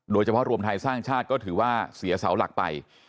โดยเฉพาะรวมไทยสร้างชาติก็ถือว่าเสียเสาหลักไป